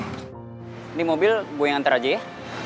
ini mobil gue yang antar aja ya